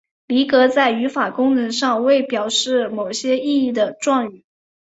离格在语法功能上为表示某些意义的状语。